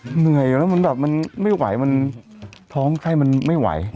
เหนื่อยอยู่แล้วมันแบบมันไม่ไหวมันท้องไข้มันไม่ไหว